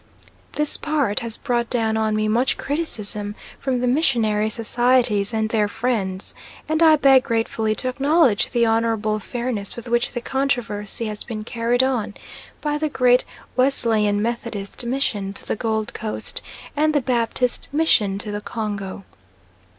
This part has brought down on me much criticism from the Missionary Societies and their friends; and I beg gratefully to acknowledge the honourable fairness with which the controversy has been carried on by the great Wesleyan Methodist Mission to the Gold Coast and the Baptist Mission to the Congo.